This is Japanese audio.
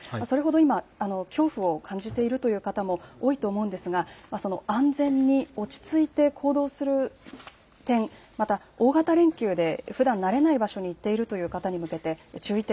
今、恐怖を感じているという方も多いと思うんですが、安全に落ち着いて行動する点、また大型連休でふだん慣れない場所に行っているという方に向けて注意点